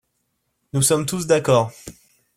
Nous sommes tous d’accord.